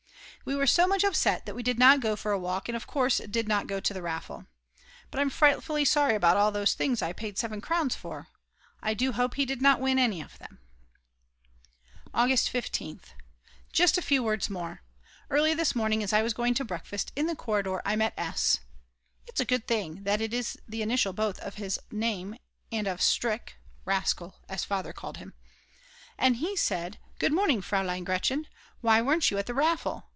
We were so much upset that we did not go for a walk, and of course did not go to the raffle. But I'm frightfully sorry about those things I paid 7 crowns for. I do hope he did not win any of them. August 15th. Just a few words more. Early this morning, as I was going to breakfast, in the corridor I met S. (it's a good thing that is the initial both of his name and of Strick [rascal] as Father called him) and he said: "Good morning, Fraulein Gretchen. Why weren't you at the raffle?